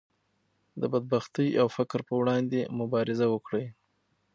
د بدبختۍ او فقر پر وړاندې مبارزه وکړئ.